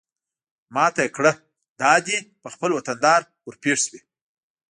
ما ته يې کړه دا دى په خپل وطندار ورپېښ شوې.